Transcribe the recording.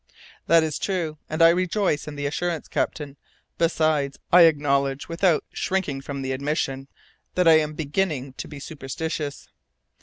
"That is true, and I rejoice in the assurance, captain. Besides, I acknowledge, without shrinking from the admission, that I am beginning to be superstitious."